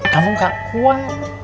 kamu gak kuat